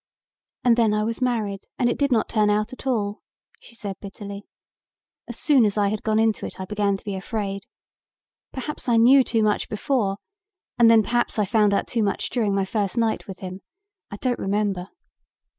"And then I was married and it did not turn out at all," she said bitterly. "As soon as I had gone into it I began to be afraid. Perhaps I knew too much before and then perhaps I found out too much during my first night with him. I don't remember.